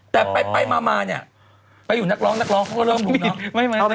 แต่ไปมาเนี่ยไปอยู่นักร้องเขาก็เริ่มหลุมน้อง